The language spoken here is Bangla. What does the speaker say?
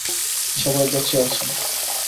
সবাই বেঁচে আছে।